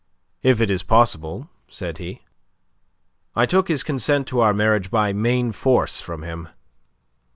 "If it is possible," said he. "I took his consent to our marriage by main force from him.